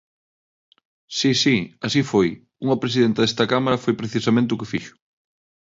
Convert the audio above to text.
Si, si, así foi; unha presidenta desta Cámara foi precisamente o que fixo.